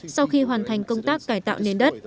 sau khi hoàn thành công tác cải tạo nền đất